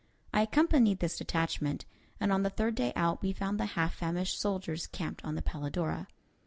I accompanied this detachment, and on the third day out we found the half famished soldiers camped on the Palladora.